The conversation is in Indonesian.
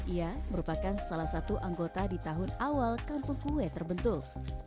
ia merupakan salah satu anggota di tahun awal kampung kue terbentuk